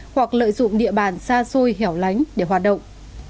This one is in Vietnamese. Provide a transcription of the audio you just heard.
hoặc lợi dụng địa bàn xa xôi hẻo lánh để hoạt động